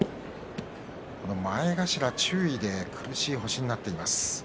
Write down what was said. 前頭の中程で苦しい星になっています。